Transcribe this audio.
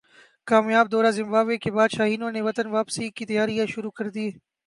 کامیاب دورہ زمبابوے کے بعد شاہینوں نے وطن واپسی کی تیاریاں شروع کردیں